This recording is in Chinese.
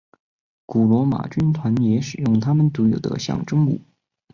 古罗马军团也使用他们独有的象征物。